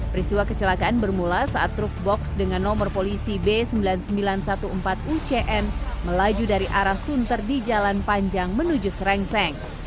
peristiwa kecelakaan bermula saat truk box dengan nomor polisi b sembilan ribu sembilan ratus empat belas ucn melaju dari arah sunter di jalan panjang menuju serengseng